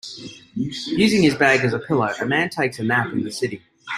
Using his bag as a pillow, a man takes a nap in the city.